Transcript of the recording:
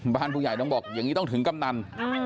บ้านผู้ใหญ่ต้องบอกอย่างนี้ต้องถึงกำนัน